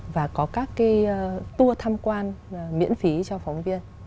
và có các cái tour tham quan miễn phí cho phóng viên